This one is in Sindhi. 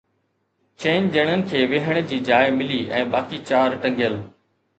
چئن ڄڻن کي ويهڻ جي جاءِ ملي ۽ باقي چار ٽنگيل.